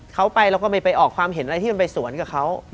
เขาไปเราก็ไม่ไปออกความเห็นอะไรที่มันไปสวนกับเขา